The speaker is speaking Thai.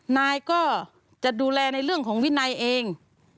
นายก็จะดูแลในเรื่องของวินัยเอง